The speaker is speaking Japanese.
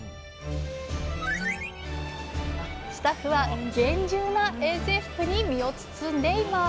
スタッフは厳重な衛生服に身を包んでいます。